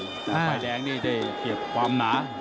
ไฟแดงนี่ได้เปรียบความหนา